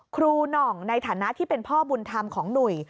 หน่องในฐานะที่เป็นพ่อบุญธรรมของหนุ่ย